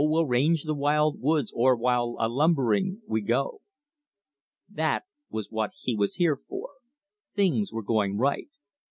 we'll range the wild woods o'er while a lumbering we go!" That was what he was here for. Things were going right.